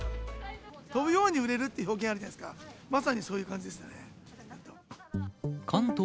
飛ぶように売れるって表現あるじゃないですか、まさにそういう感じですね。